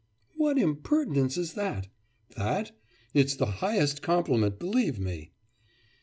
'What impertinence is that?' 'That? It's the highest compliment, believe me.